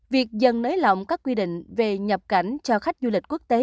việc dần nới lỏng các quy định về nhập cảnh cho khách du lịch quốc tế